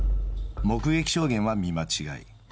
目撃証言は見間違い。